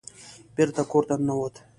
بېرته کور ته ننوت.